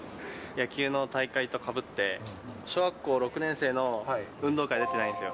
野球の大会とかぶって、小学校６年生の運動会出てないんですよ。